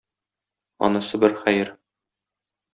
Анысы бер хәер.